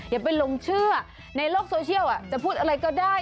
อย่าไปลงเชื่อในโลกโซเชียลจะพูดอะไรก็ได้